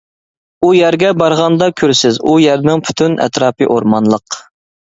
ئۇ يەرگە بارغاندا كۆرىسىز، ئۇ يەرنىڭ پۈتۈن ئەتراپى ئورمانلىق.